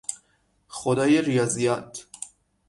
خدای ریاضیات